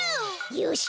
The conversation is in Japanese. よし！